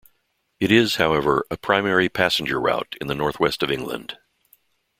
It is, however, a primary passenger route in the North West of England.